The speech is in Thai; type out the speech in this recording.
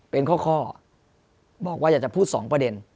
เป็นข้อบอกว่าอยากจะพูด๒ประเด็น